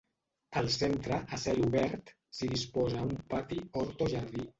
Al centre, a cel obert, s'hi disposa un pati, hort o jardí.